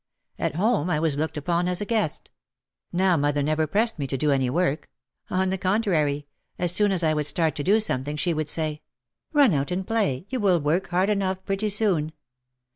At home I was looked upon as a guest. Now mother never pressed me to do any work. On the con trary, as soon as I would start to do something, she would say, "Run out and play, you will work hard enough pretty soon.'